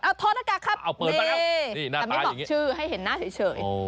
เอาโทษหน้ากากครับแต่ไม่บอกชื่อให้เห็นหน้าเฉย